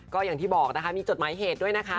ก็อย่างที่บอกนะคะมีจดหมายเหตุด้วยนะคะ